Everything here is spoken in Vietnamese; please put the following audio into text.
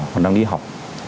còn đang đi học